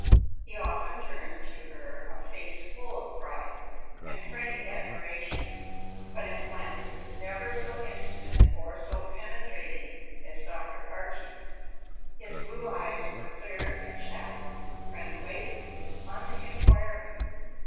He often turned to her a face full of pride, and frank admiration, but his glance was never so intimate or so penetrating as Dr. Archie's. His blue eyes were clear and shallow, friendly, uninquiring.